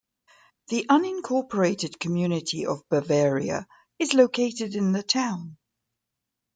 The unincorporated community of Bavaria is located in the town.